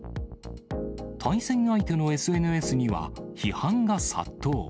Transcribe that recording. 対戦相手のＳＮＳには、批判が殺到。